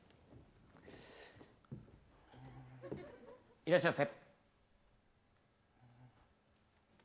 いらっしゃいませ。